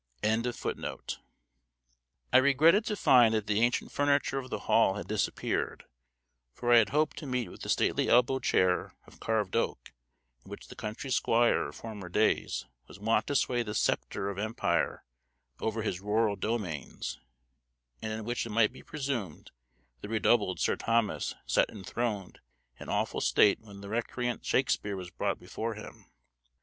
I regretted to find that the ancient furniture of the hall had disappeared; for I had hoped to meet with the stately elbow chair of carved oak in which the country squire of former days was wont to sway the sceptre of empire over his rural domains, and in which it might be presumed the redoubled Sir Thomas sat enthroned in awful state when the recreant Shakespeare was brought before him.